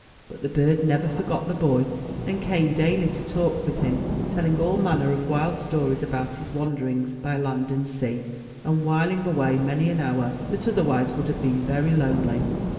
But the bird never forgot the boy, and came daily to talk with him, telHng all manner of wild stories about his wanderings by land and sea, and whiling away many an hour that otherwise would have been very lonely.